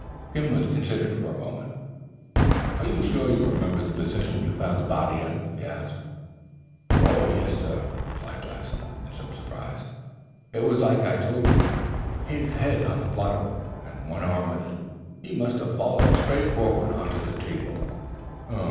Gimblet considered for a moment. "Are you sure you remember the position you found the body in?" he asked. "Yes, sir," replied Blanston, in some surprise. "It was like I told you. His head on the blotting book and one arm with it. He must have fallen straight forward on to the table."